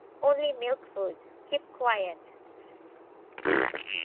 Only milk food. Keep quiet.